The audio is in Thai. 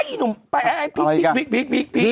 อ่าอีนุ่มไปพลิก